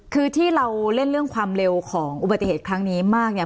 คือที่เราเล่นเรื่องความเร็วของอุบัติเหตุครั้งนี้มากเนี่ย